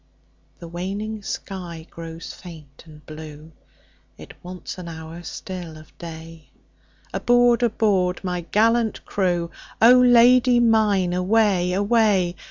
The waning sky grows faint and blue, It wants an hour still of day, Aboard! aboard! my gallant crew,O Lady mine away! away!